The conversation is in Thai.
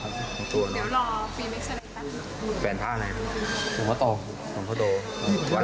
พอจนรู้ผมก็สลบเพราะตื่นมาว่าไปไม่แล้วครับ